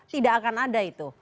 tidak akan ada itu